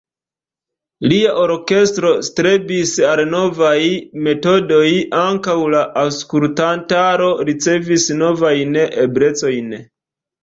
Lia orkestro strebis al novaj metodoj, ankaŭ la aŭskultantaro ricevis novajn eblecojn.